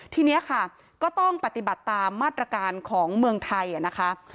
ทีนี้ค่ะก็ต้องปฏิบัติตามมาตรการของเมืองไทยนะคะ